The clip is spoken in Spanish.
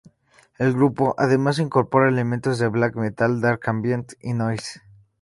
El grupo, además, incorpora elementos de black metal, dark ambient, y noise.